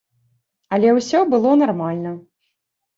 Але ўсе было нармальна.